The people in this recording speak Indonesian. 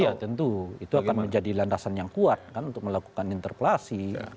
iya tentu itu akan menjadi landasan yang kuat kan untuk melakukan interpelasi